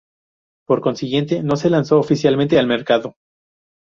Por consiguiente, no se lanzó oficialmente al mercado.